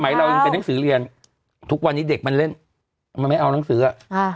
เรายังเป็นหนังสือเรียนทุกวันนี้เด็กมันเล่นมันไม่เอานังสืออ่ะอ่า